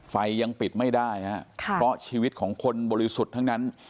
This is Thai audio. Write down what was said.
ยังปิดไม่ได้ฮะเพราะชีวิตของคนบริสุทธิ์ทั้งนั้น